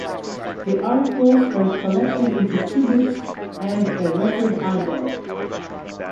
The articles were collected into two books and a record album.